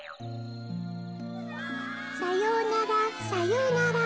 「さようならさようなら